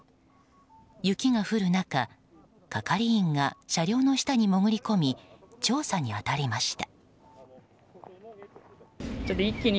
雪が降る中係員が車両の下に潜り込み調査に当たりました。